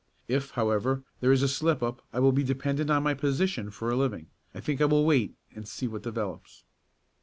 If, however, there is a slip up I will be dependent on my position for a living. I think I will wait and see what develops."